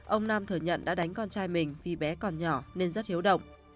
ông nam thừa nhận đã đánh con trai mình vì bé còn nhỏ nên rất hiếu động